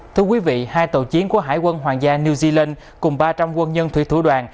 thưa quý vị hai tàu chiến của hải quân hoàng gia new zealand cùng ba trăm linh quân nhân thủy thủ đoàn